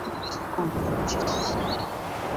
Kikombe ni chafu.